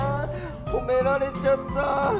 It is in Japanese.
ほめられちゃった！